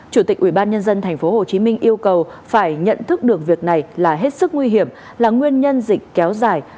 chủ tịch ủy ban nhân dân thành phố hồ chí minh yêu cầu phải nhận thức được việc này là hết sức nguy hiểm là nguyên nhân dịch kéo dài